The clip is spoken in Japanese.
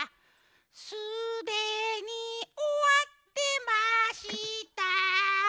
「すでに終わってました」